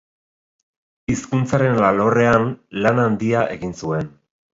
Hizkuntzaren alorrean, lan handia egin zuen.